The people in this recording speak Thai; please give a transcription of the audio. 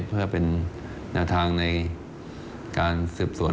เพื่อเป็นแนวทางในการสืบสวน